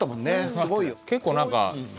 すごいよ。